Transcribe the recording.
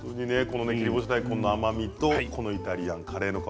切り干し大根の甘みとイタリアン、合います。